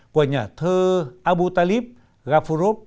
của nhà thơ abu talib ghafurob